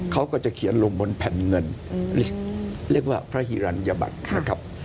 เขาก็จะเขียนลงบนแผ่นเงินเรียกว่าพระหิรัญญบัตรนะครับ